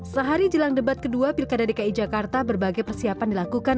sehari jelang debat kedua pilkada dki jakarta berbagai persiapan dilakukan